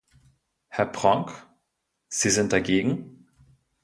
Herr Pronk, Sie sind dagegen?